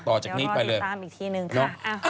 ต่อจากนี้ไปเลยนะครับเดี๋ยวเราติดตามอีกทีนึงค่ะ